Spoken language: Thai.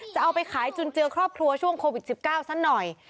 จะเอาไปขายจุนเจือครอบครัวช่วงโควิด๑๙สักหน่อย